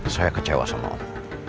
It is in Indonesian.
saya kecewa sama om